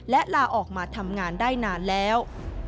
และลาออกมาทำงานได้นานแล้ว